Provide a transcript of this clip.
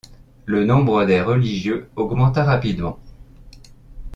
Le nombre des religieux augmenta rapidement.